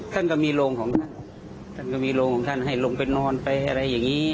ท่านก็มีโรงของท่านท่านก็มีโรงของท่านให้ลงไปนอนไปอะไรอย่างนี้